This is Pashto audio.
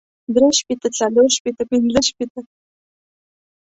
درې شپېته څلور شپېته پنځۀ شپېته